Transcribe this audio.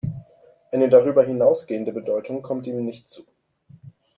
Eine darüber hinausgehende Bedeutung kommt ihm nicht zu.